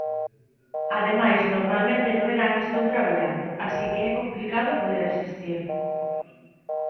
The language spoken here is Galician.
Ademais normalmente no verán estou traballando, así que é complicado poder asistir.